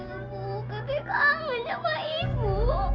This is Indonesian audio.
ibu pipi kangen sama ibu